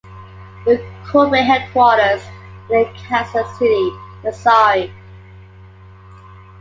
The corporate headquarters are in Kansas City, Missouri.